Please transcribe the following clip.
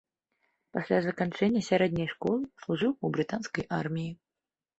Пасля заканчэння сярэдняй школы служыў у брытанскай арміі.